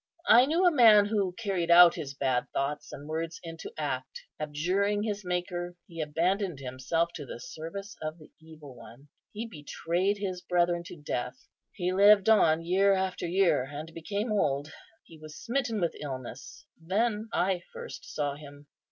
I knew a man who carried out his bad thoughts and words into act. Abjuring his Maker, he abandoned himself to the service of the evil one. He betrayed his brethren to death. He lived on year after year, and became old. He was smitten with illness; then I first saw him.